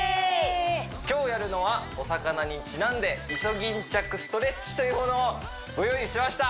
今日やるのはお魚にちなんでイソギンチャクストレッチというものをご用意しました！